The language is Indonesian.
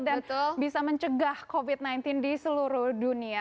dan bisa mencegah covid sembilan belas di seluruh dunia